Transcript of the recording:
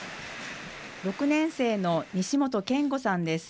６年生の西元健悟さんです。